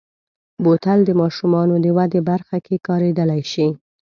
بوتل د ماشومو د ودې برخه کې کارېدلی شي.